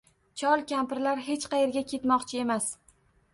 Chol -kampirlar hech qayerga ketmoqchi emas